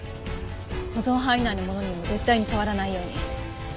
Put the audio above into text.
保存範囲内のものにも絶対に触らないように。